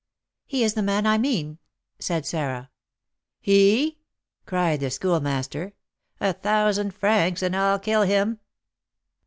"He is the man I mean," said Sarah. "He?" cried the Schoolmaster, "a thousand francs, and I'll kill him."